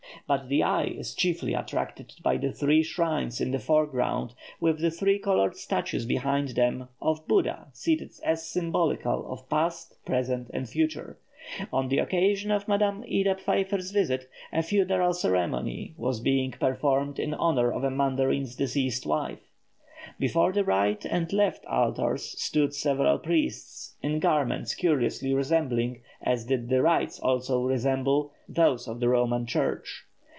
But the eye is chiefly attracted by the three shrines in the foreground, with the three coloured statues behind them, of Buddha, seated as symbolical of Past, Present, and Future. On the occasion of Madame Ida Pfeiffer's visit, a funeral ceremony was being performed in honour of a mandarin's deceased wife. Before the right and left altars stood several priests, in garments curiously resembling, as did the rites also resemble, those of the Roman Church.